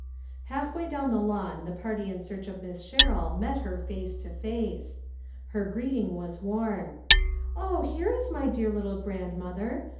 Half way down the lawn the party in search of Miss Sherrill met her face to face. Her greeting was warm. " Oh ! here is my dear little grandmother.